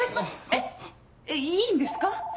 えっいいんですか？